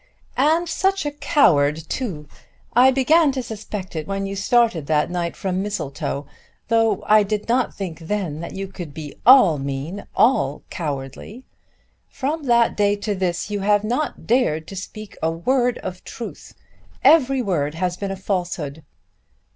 "And such a coward too! I began to suspect it when you started that night from Mistletoe, though I did not think then that you could be all mean, all cowardly. From that day to this, you have not dared to speak a word of truth. Every word has been a falsehood."